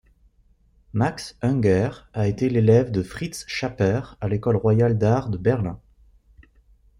Max Unger a été l'élève de Fritz Schaper à l'école royale d'art de Berlin.